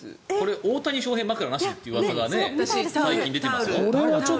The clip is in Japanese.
大谷翔平、枕なしといううわさが最近出ていますね。